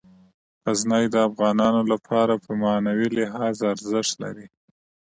غزني د افغانانو لپاره په معنوي لحاظ ارزښت لري.